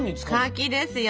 柿ですよ。